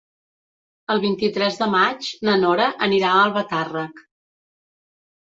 El vint-i-tres de maig na Nora anirà a Albatàrrec.